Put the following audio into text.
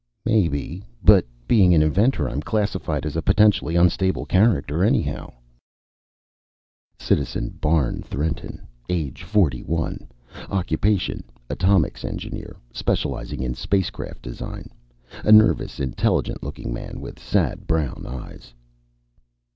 "Maybe. But being an inventor, I'm classified as a potentially unstable character anyhow." (_Citizen Barn Threnten, age 41, occupation atomics engineer specializing in spacecraft design. A nervous, intelligent looking man with sad brown eyes.